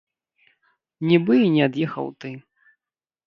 Нібы і не ад'ехаў ты.